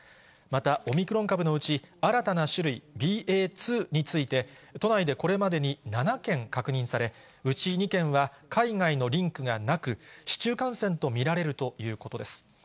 また、オミクロン株のうち、新たな種類、ＢＡ．２について、都内でこれまでに７件確認され、うち２件は、海外のリンクがなく、市中感染と見られるということです。